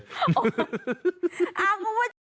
โอ้โฮอ้าวมัน